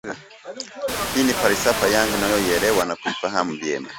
Hii ni falsafa yangu ninayoielewa na kuhifahamu vyema